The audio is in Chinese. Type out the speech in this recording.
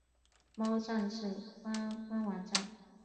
猫战士官方网站